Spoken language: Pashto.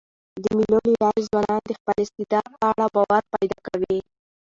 د مېلو له لاري ځوانان د خپل استعداد په اړه باور پیدا کوي.